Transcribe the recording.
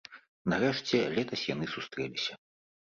Нарэшце, летась яны сустрэліся.